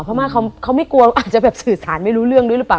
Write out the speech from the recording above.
เพราะว่าเขาไม่กลัวอาจจะแบบสื่อสารไม่รู้เรื่องด้วยหรือเปล่า